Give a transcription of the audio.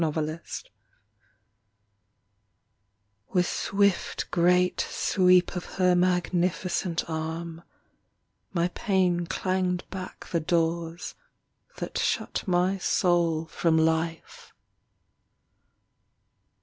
RELEASE With swift Great sweep of her Magnificent arm my pain Clanged back the doors that shut my soul From life.